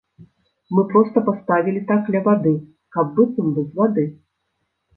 Мы проста паставілі так ля вады, каб быццам бы з вады!